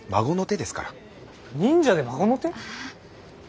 忍者で孫の手？いや。